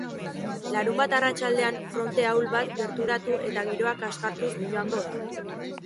Larunbat arratsaldean, fronte ahul bat gerturatu eta giroa kaskartuz joango da.